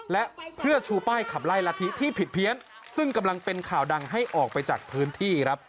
และเพื่อชูป้ายขับไล่ละทิที่ผิดเพี้ยนซึ่งกำลังเป็นข่าวดังให้ออกไปจากพื้นที่ครับ